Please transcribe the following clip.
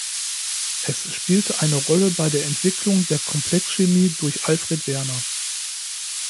Es spielte eine Rolle bei der Entwicklung der Komplexchemie durch Alfred Werner.